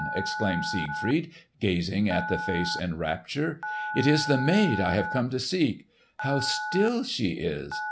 exclaimed Siegfried gazing at the face in rapture. "It is the maid I have come to seek! How still she is!